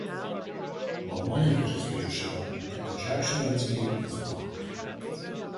While one image is being shown, the projection of its mate is blocked.